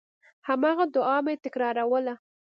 هماغه دعا مې تکراروله.